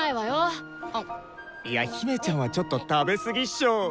いや姫ちゃんはちょっと食べ過ぎっしょ。